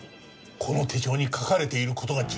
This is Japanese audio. この手帳に書かれている事が重要ではない。